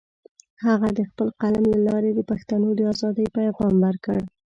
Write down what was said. هغه د خپل قلم له لارې د پښتنو د ازادۍ پیغام ورکړ.